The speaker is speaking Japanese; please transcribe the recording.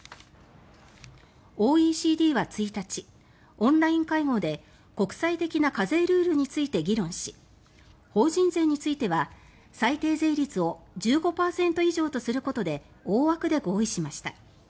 ＯＥＣＤは１日オンライン会合で国際的な課税ルールについて議論し法人税については最低税率を１５％以上とすることで大枠で合意しました。